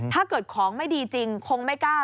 ถ้าเกิดของไม่ดีจริงคงไม่กล้า